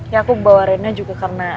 ya aku bawa remnya juga karena